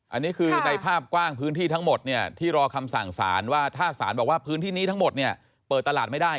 อันนี้คือในภาพกว้างพื้นที่ทั้งหมดเนี่ยที่รอคำสั่งสารว่าถ้าศาลบอกว่าพื้นที่นี้ทั้งหมดเนี่ยเปิดตลาดไม่ได้